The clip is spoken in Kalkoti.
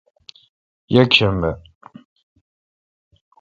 یکشنبہ